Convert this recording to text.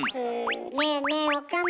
ねえねえ岡村。